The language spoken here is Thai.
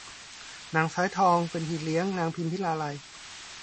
นางสายทองเป็นพี่เลี้ยงนางพิมพิลาไลย